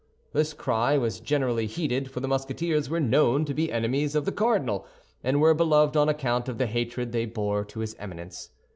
This cry was generally heeded; for the Musketeers were known to be enemies of the cardinal, and were beloved on account of the hatred they bore to his Eminence.